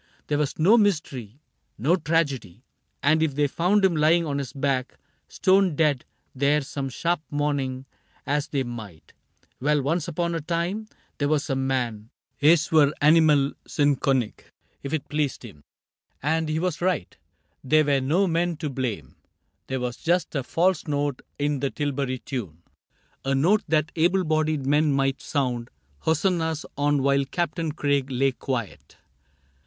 There was no mystery, no tragedy ; And if they found him lying on his back Stone dead there some sharp morning, as they might, — Well, once upon a time there was a man — Es war iinmal tin Konig^ if it pleased him. CAPTAIN CRAIG 3 And he was right : there were no men to blame : There was just a false note in the Tilbury tune — A note that able bodied men might sound Hosannas on while Captain Craig lay quiet.